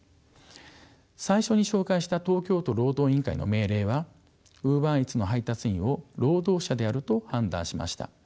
最初に紹介した東京都労働委員会の命令はウーバーイーツの配達員を労働者であると判断しました。